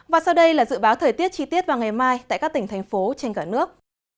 và sau đây là dự báo thời tiết chi tiết vào ngày mai tại các tỉnh thành phố trên cả nước